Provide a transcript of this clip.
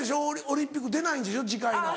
オリンピック出ないんでしょ次回の。